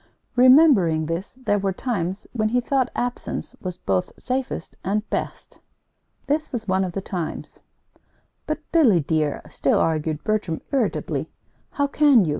Remembering this, there were times when he thought absence was both safest and best. This was one of the times. "But, Billy, dear," still argued Bertram, irritably, "how can you?